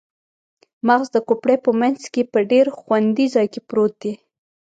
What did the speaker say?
مغز د کوپړۍ په مینځ کې په ډیر خوندي ځای کې پروت دی